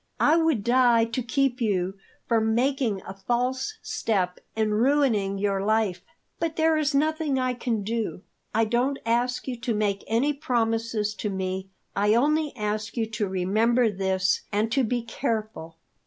I would die to keep you from making a false step and ruining your life. But there is nothing I can do. I don't ask you to make any promises to me; I only ask you to remember this, and to be careful.